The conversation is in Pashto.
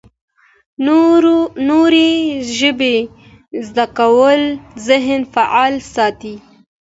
نوې ژبه زده کول ذهن فعال ساتي